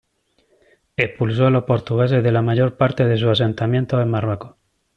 Expulsó a los portugueses de la mayor parte de sus asentamientos en Marruecos.